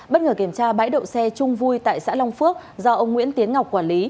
bất ngờ kiểm tra bãi đậu xe trung vui tại xã long phước do ông nguyễn tiến ngọc quản lý